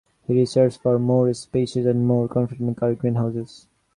He searched for more spacious and more comfortable car greenhouses.